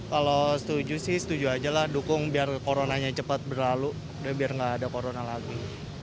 kalau setuju sih setuju aja lah dukung biar coronanya cepat berlalu biar nggak ada corona lagi